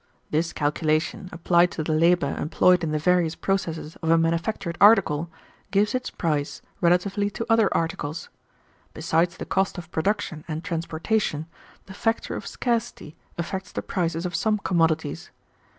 This calculation applied to the labor employed in the various processes of a manufactured article gives its price relatively to other articles. Besides the cost of production and transportation, the factor of scarcity affects the prices of some commodities.